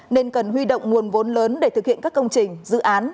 nên cần huy động nguồn vốn lớn để thực hiện các công trình dự án